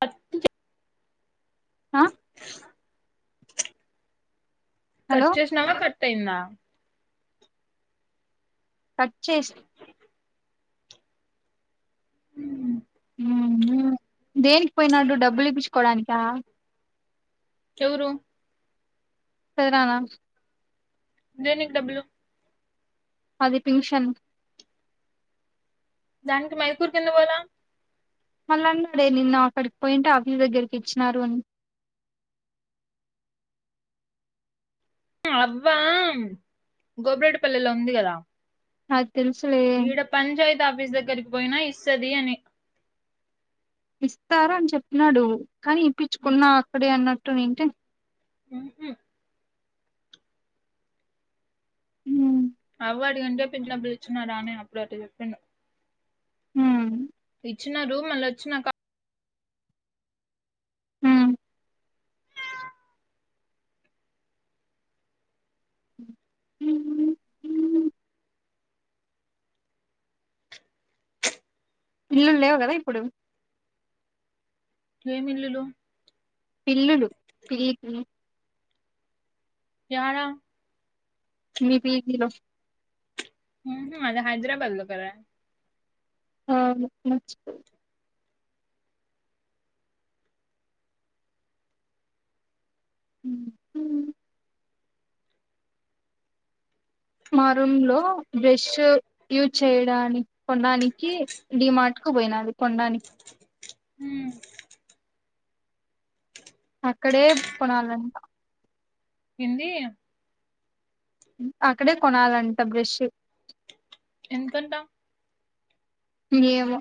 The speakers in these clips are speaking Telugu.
పట్ ఆ కట్ హలో చేసినావా కట్ అయిందా కట్ చేసి ఉ ఊ దేనికి పోయినాడు డబ్బులు ఇప్పిచ్చుకోవడానికా ఎవురు పోయి రనా దేనికి డబ్బులు అది పింఛన్ దానికి మైకూర్కి ఎందుకు పోవల మళ్ళ అనాడే నిన్న అక్కడికి పోయింటే ఆఫీస్ దగ్గరికి ఇచ్చినారు అని అవ్వా గోబ్రేడ్పల్లెలో ఉంది కదా నాకు తెలుసులే ఈడ పంచాయత్ ఆఫీస్ దగ్గరికి పోయినా ఇస్తది అని ఇస్తారు అని చెప్పినాడు కానీ ఇప్పించుకున్నావు అక్కడే అన్నట్టు ఏంటే ఉహు ఉమ్మ్, అవ అడికంటే పింఛన్ డబ్బులు ఇచ్చిన రా అనే అప్పుడు అట్టా చెప్పిండు. హ ఇచ్చినారు మళ్ళ వచ్చినాక ఉమ్మ్, ఉ ఇల్లులు లేవు కదా ఇప్పుడు ఏమి ఇల్లులు పిల్లులు పి పి యాడ మీ పీకి లో ఉహూ మాది హైదరాబాద్ లో కదా ఆ అచ్చ ఉ హు మా రూమ్ లో బ్రష్ యూజ్ చేయడానికి కొనడానికి డిమార్ట్ పోయినాడు కొనడానికి ఉమ్ అక్కడే కొనాలంట ఏంది అక్కడే కొనాలంట బ్రష్ ఎందుకంటా ఏమో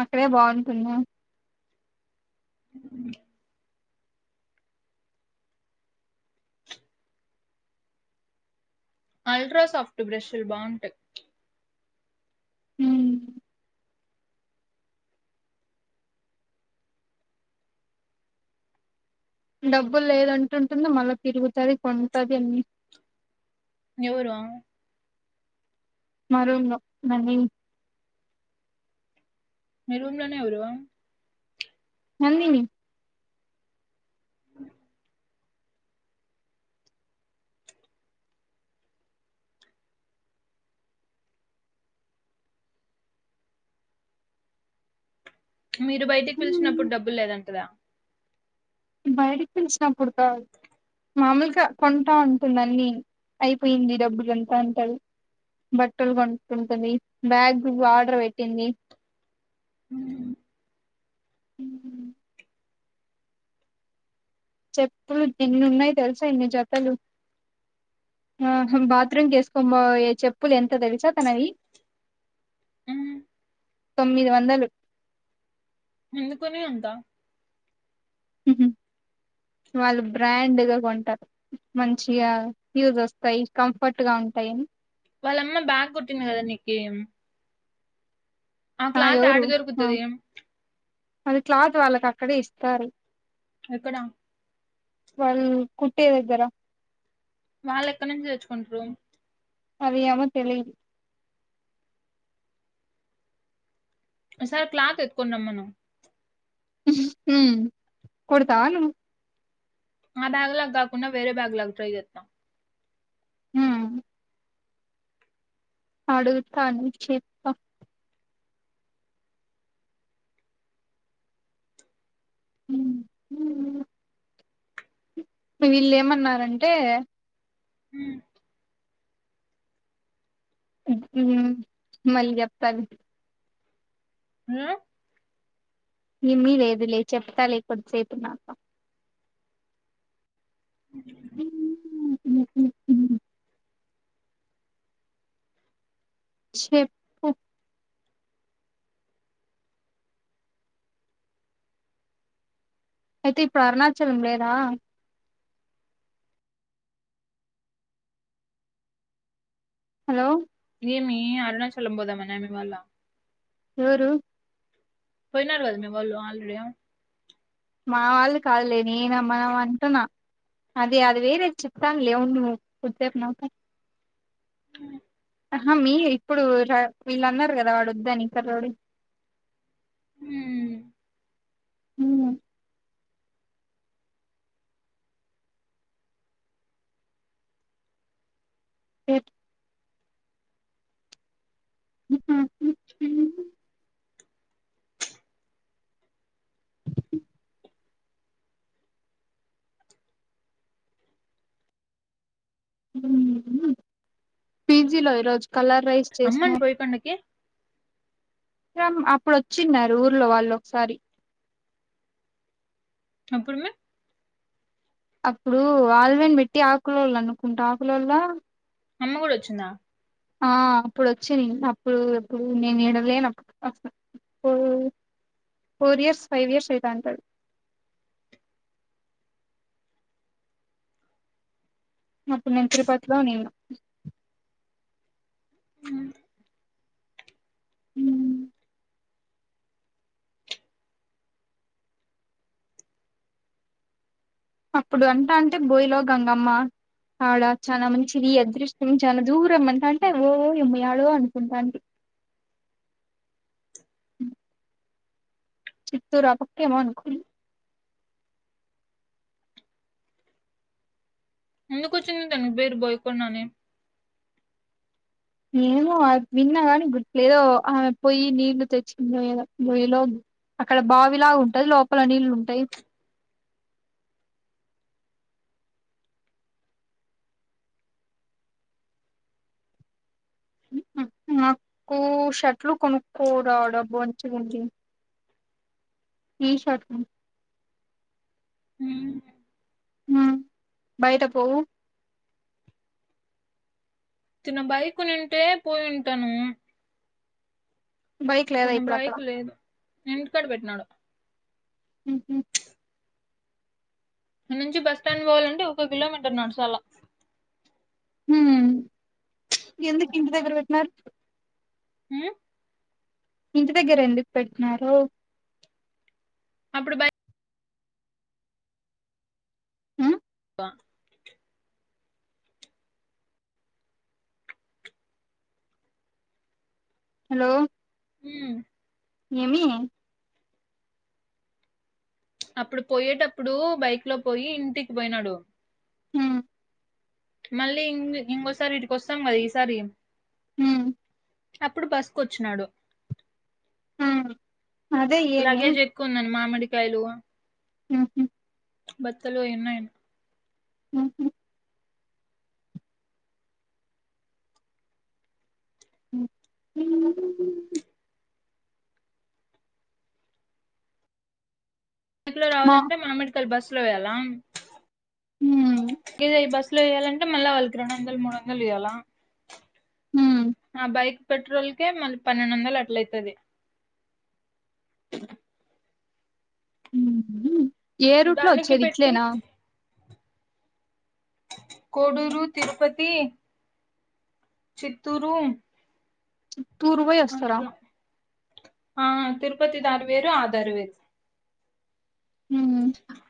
అక్కడే బాగుంటుంది అల్ట్రాసాఫట్ బ్రెషల్ బాగుంటాయ్ ఉమ్ డబ్బులు లేదంటుంటాది మళ్ళా తిరుగుతది కొంటంది అన్ని ఎవరు ఆమ మా రూమ్ లో మీ రూమ్ లోనే ఉరావా నందిని అ మీరు బయటికి ఉమ్, పిలిచినప్పుడు డబ్బులు లేదంటదా బయటికి పిలిసినప్పుడు కాదు. మామూలుగా కొంటా ఉంటుంది అన్ని అయిపోయింది డబ్బులు అంట అంటది బట్టలు కొంటుంటది బ్యాగ్ ఆర్డర్ పెట్టింది. అ హూ చెప్పులు ఎన్ని ఉన్నాయి తెలుసా ఇన్ని జతలు ఆ బాత్రూమ్ కి ఏసుకొనిపోయే చెప్పులు ఎంత తెలుసా తనవి తొమ్మిది వందలు ఎందుకున్నాయి అంతా వాళ్ళు బ్రాండ్ గా కొంటారు మంచిగా యూజ్ వస్తాయి కంఫర్ట్ గా ఉంటయి అని వాళ్ళ అమ్మా బా కుట్టింది కదా నీకి ఆ క్లాత్ ఆడ ఎవరు ఆ దొరుకుతది అది క్లాత్ వాళ్ళకి అక్కడే ఇస్తారు ఎక్కడ వాళ్ కుట్టే దగ్గర వాళ్ళు ఎక్కడి నుంచి తెచ్చుకుంటరు అవి ఏమో తెలిదు ఓ సారి క్లాత్ ఎత్తుకొని రమ్మను హు హ్మ్ కొడతావా నువ్ మా బ్యాగ్ లాగా కాకుండా వేరే బ్యాగ్ లాగా ట్రై చేస్తా హ్మ్ అడుగుతాను చెప్తా హు హ్మ్ వీళ్ళు ఏమన్నారంటే హు హు మళ్ళీ చెప్తాన్ హు ఈ ఇమ్మీ లేదు లే చెప్తా లే కొద్ది సేపు ఉన్నాక చెేప్పు అయితే ఇప్పుడు అరుణాచలం లేదా హలో ఏమి అరుణాచలం పోదా మనా ఆ అమ్మి మళ్ళా ఎవరూ పోయినారు కదా మీ వాళ్ళు ఆల్రెడీ మా వాళ్ళు కాదులే నేనమ్మన మనం అంటున్నా అదే అది వేరే చెప్తానులే అవును కొద్ది సేపు నవ్వుకొని అ ఆ హా మీ ఇప్పుడు వీళ్ళున్నారు కదా వాడు వద్దని కర్రోడు హుమ్ హు ఎట్ పీజీలో ఈరోజు కలర్ రైస్ అమ్మని చేసినార్ బోయకొండకి రమ్ అప్పుడు వచ్చిన్నారు ఊర్లో వాళ్ళు ఒకసారి ఎప్పుడుమే అప్పుడు ఆల్వన్ పెట్టి ఆకులళ అనుకుంటా ఆకులోల అమ్మ కూడ వచ్చిందా ఆ అప్పుడు వచ్చింది అప్పుడు ఇప్పుడు నేను ఇడలేనప్పుడు ఫర్ ఇయర్స్ ఫైవ్ ఇయర్స్ అయితాడు అప్పుడు నేను తిరుపతి లో నిను ఉమ్. మ్మ్ అప్పుడు అంటా అంటే బోయలో గంగమ్మ ఆడ చాలా మంచిది అదృష్టం చాలా దూరం అంట అంటే ఓ ఇమ్మయాడ అనుకుంటా అండి ఆ చిత్తరు అపక్ ఏ మనుకుని ఎందుకు వచ్చింది తను పేరు భయపడిన నేను నేమో విన్నా కాని గుట్ లేదో ఆమె పోయి నీళ్లు తెచ్చియ్య నొయ్యిలో అక్కడ బావిలాగా ఉంటది లోపల నీళ్ళు ఉంటాయి నాకు షర్ట్లు కొనుక్కోడాడబా మంచిగా ఉంటుంది టీషీర్ట్ ఉమ్ ఆ బయట పోవు తన్న బైక్ నింటే పోయింటాను బైక్ లేదా కానీ ఇప్పుడు అక్కడ బైకు లేదు నేను ఇంటికాడ పెట్టినానూ ఉహు ఇక్కడ నుంచి బస్ స్టాండ్ పోవాలంటే ఒక కిలోమీటర్ నడచాలా చాలా ఉమ్ ఎందుకు ఇంటి దగ్గర పెట్టినారు ఉ ఇంటి దగ్గర ఎందుకు పెట్టినరు అప్పుడు బయ హ్మ్ బ హలో మ్మ్ ఏమి అప్పుడు పోయేటప్పుడు బైక్ లో పోయి ఇంటికి పోయినాడు హ్మ్ మళ్ళీ ఇం ఇంకోసారి ఇడికిస్తాం కదా ఈసారి హ్మ్ అప్పుడు బసుకొచ్చినాడు హ లగేజ్ ఎక్కువ ఉందనీ మామిడికాయలు హుహు బత్తలు అయి ఉన్నాయి ఉహ్ హ్మ్. బక్ లో మా రావాలంటే మామిడికాల్ బస్ లో వెయ్యాలా హ్మ్ బస్ ఇట్లు ఇయ్యాలంట మళ్ల వాళ్ళకి రెండు వందలు మూడు వందలుయ్యాలం హ్మ్ ఆ బైక్ పెట్రోల్కే మళ్ళీ పన్నెండు వందలు అట్లైతది ఏ రూట్ లో దానికి వచ్చేది పెట్టి ఇట్లేనా కోడూరు తిరుపతి చిత్తూరు తూర్వై వస్తారా అట్లా ఆ తిరుపతి దారి వేరు ఆద దారి వేరు హ్మ్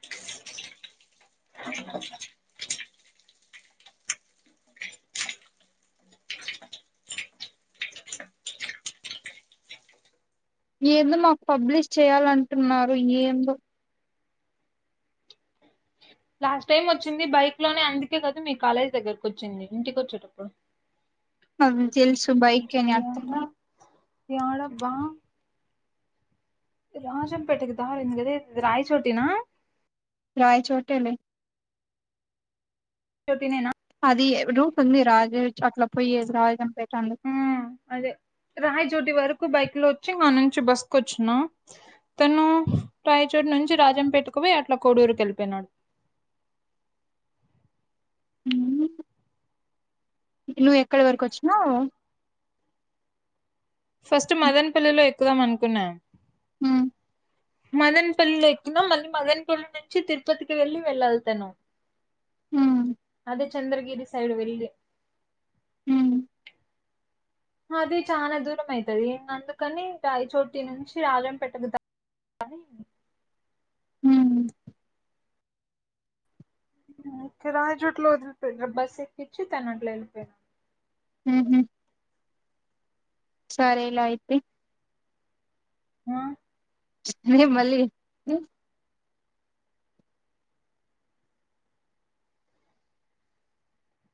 అ ఏదో మాక్ పబ్లిష్ చేయాలంటున్నారు ఏందో లాస్ట్ టైమ్ వచ్చింది బైక్ లోనే అందుకే కదు మీ కాలేజ్ దగ్గరకు వచ్చింది ఇంటికి వచ్చేటప్పుడు అవి తెలుసు బైక్ అని అర్థంమ ఎడబ్బా రాజంపేటకి దారెందే ఇది రయచోటేన రయచోటేలె శ్యోతినేనా అది రూట్ ఉంది రాజ అట్లా పోయే రాజాంపె ఆ అదే రాయచోటి వర్క్ బైక్ లో వచ్చి అడ్నుంచి బస్కు వచ్చినా తను రాయచోటు నుంచి రాజం పెట్టుకుపోయి అట్లా కోడూరుకి వెళపోయినాడు నువ్వు ఎక్కడ వరకు వచ్చినావు ఫస్ట్ మదన్ పల్లిలో ఎక్కుదాం అనుకున్నా హ్మ్ మదన్పల్లి ఎక్కిన మళ్ళీ మదన్పల్లి నుంచి తిరుపతికి వెళ్ళి వెళ్ళలితాను హ్మ్ అదే చంద్రగిరి సైడ్ వెళ్లి హమ్ అది చాల దూరం అయితది అందుకని ఐ చోటి నుంచి రాజంపేటకు ద పనీ హమ్ రాజోట్లో వదిలిపోయిన బస్సు ఎక్కించి తనంట్లో వెళ్ళిపోయాడు ఉహామ్ సరేలా అయితే ఆ హే మల్లి